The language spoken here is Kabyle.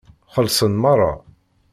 Xellṣen meṛṛa.